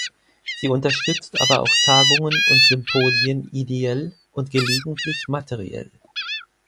Sie unterstützt aber auch Tagungen und Symposien ideell und gelegentlich materiell.